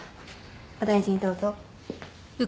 お大事にどうぞ。